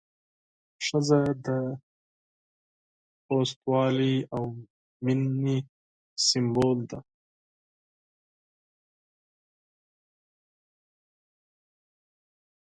ښځه د نرمۍ او محبت سمبول ده.